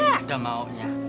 ya udah maunya